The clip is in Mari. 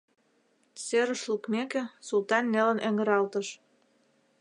Серыш лукмеке, Султан нелын эҥыралтыш.